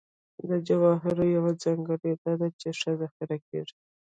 د جوارو یوه ځانګړنه دا ده چې ښه ذخیره کېږي.